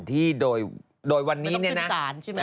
ที่โดยวันนี้มาต้องขึ้นศาล